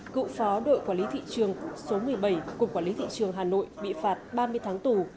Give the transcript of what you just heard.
cựu phó đội quản lý thị trường số một mươi bảy cục quản lý thị trường hà nội bị phạt ba mươi tháng tù